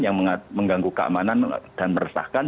yang mengganggu keamanan dan meresahkan